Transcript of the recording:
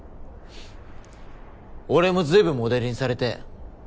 俺もずいぶんモデルにされて。